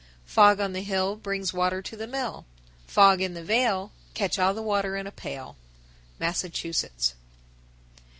_ 1013. Fog on the hill Brings water to the mill. Fog in the vale, Catch all the water in a pail. _Massachusetts.